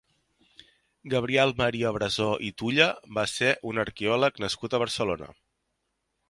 Gabriel Maria Brasó i Tulla va ser un arqueòleg nascut a Barcelona.